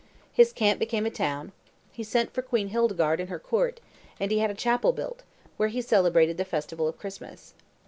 His camp became a town; he sent for Queen Hildegarde and her court; and he had a chapel built, where he celebrated the festival of Christmas.